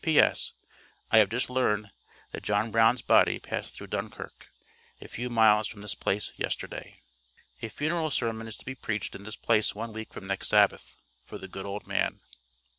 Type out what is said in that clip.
P.S. I have just learned that John Brown's body passed through Dunkirk, a few miles from this place, yesterday. A funeral sermon is to be preached in this place one week from next Sabbath, for the good old man.